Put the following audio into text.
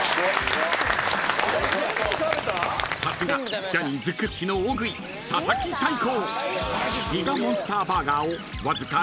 ［さすがジャニーズ屈指の大食い佐々木大光］